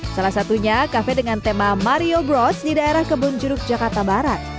salah satunya kafe dengan tema mario broach di daerah kebun jeruk jakarta barat